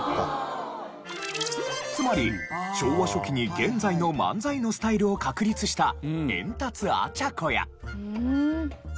つまり昭和初期に現在の漫才のスタイルを確立したエンタツ・アチャコや。